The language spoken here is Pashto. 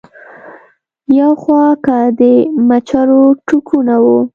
يو خوا کۀ د مچرو ټکونه وو